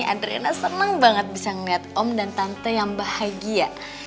adriana senang banget bisa ngeliat om dan tante yang bahagia